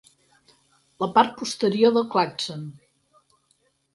La part posterior del clàxon.